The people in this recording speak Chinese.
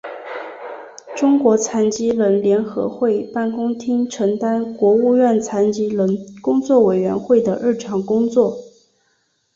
中国残疾人联合会办公厅承担国务院残疾人工作委员会的日常工作。